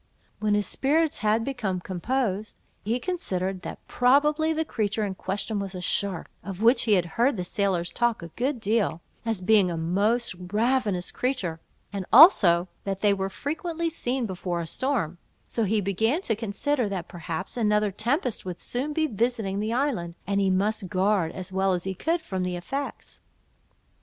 When his spirits had become composed, he considered, that probably the creature in question was a shark, of which he had heard the sailors talk a good deal, as being a most ravenous creature, and also that they were frequently seen before a storm; so he began to consider that perhaps another tempest would soon be visiting the island, and he must guard, as well as he could, from the effects.